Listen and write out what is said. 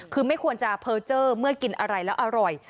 คือไม่ควรจะเพอร์เจอร์เมื่อกินอะไรแล้วอร่อย